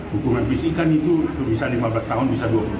hukuman fisik kan itu bisa lima belas tahun bisa dua puluh tahun